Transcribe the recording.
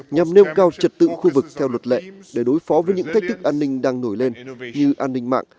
nhằm nêu cao trật tự khu vực theo luật lệ để đối phó với những thách thức an ninh đang nổi lên như an ninh mạng